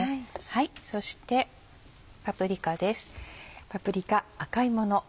そしてパプリカです。